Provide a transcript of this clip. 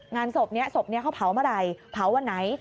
งานศพนี้ศพนี้เขาเผาเมื่อไหร่เผาวันไหน